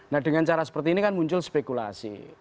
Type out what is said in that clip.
nah dengan cara seperti ini kan muncul spekulasi